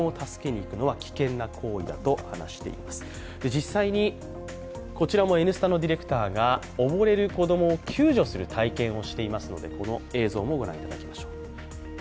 実際にこちらも「Ｎスタ」のディレクターが溺れる子供を救助する体験をしていますので、この映像もご覧いただきましょう。